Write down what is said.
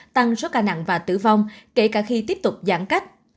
tăng số ca nặng và tử vong kể cả khi tiếp tục giãn cách